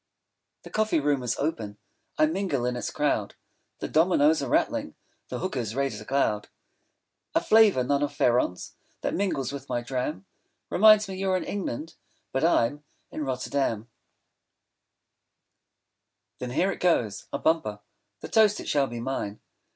40 The coffee room is open, I mingle in its crowd; The dominoes are rattling, The hookahs raise a cloud; A flavour, none of Fearon's, 45 That mingles with my dram, Reminds me you're in England, But I'm in Rotterdam, Then here it goes, a bumper, The toast it shall be mine.